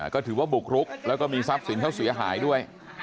ก็ถือว่าบุกรุกแล้วก็มีทรัพย์สินเขาเสียหายด้วย